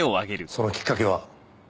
そのきっかけは？